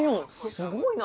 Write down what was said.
すごいなあ。